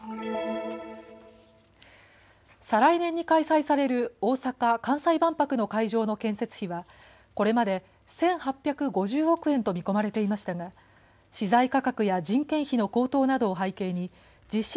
再来年に開催される大阪・関西万博の会場の建設費はこれまで１８５０億円と見込まれていましたが資材価格や人件費の高騰などを背景に実施